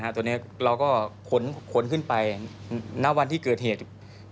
ตอนนี้เราก็ขนขึ้นไปณวันที่เกิดเหตุ